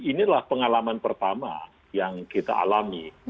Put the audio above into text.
itu adalah pengalaman pertama yang kita alami